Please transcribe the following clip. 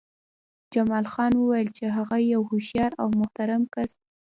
جمال خان وویل چې هغه یو هوښیار او محترم کس دی